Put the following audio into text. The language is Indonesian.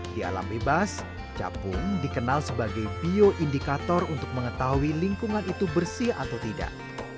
di alam bebas capung dikenal sebagai bioindikator untuk mengetahui lingkungan itu bersih atau tidak